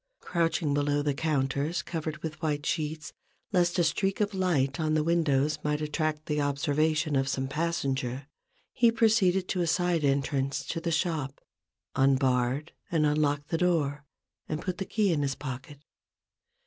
Crouching below the counters covered with white sheets, lest a streak of light on the windows might attract the observation of some passenger, he proceeded to a side entrance to the shop, unbarred and unlocked the door, and put the key in his pocket.